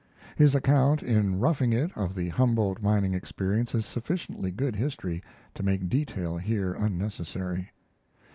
His account in 'Roughing It' of the Humboldt mining experience is sufficiently good history to make detail here unnecessary.